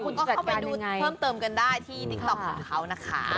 คุณก็เข้าไปดูเพิ่มเติมกันได้ที่ติ๊กต๊อกของเขานะคะ